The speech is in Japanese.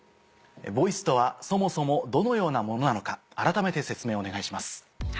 「ＶＯＩＣＥ」とはそもそもどのようなものなのか改めて説明をお願いします。